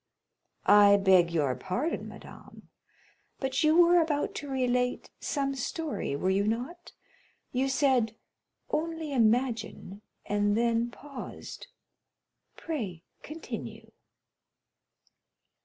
"I beg your pardon, madame, but you were about to relate some story, were you not? You said, 'only imagine,'—and then paused. Pray continue."